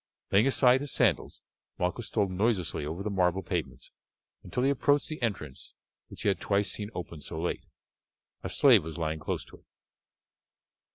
Laying aside his sandals, Malchus stole noiselessly over the marble pavements until he approached the entrance which he had twice seen opened so late. A slave was lying close to it.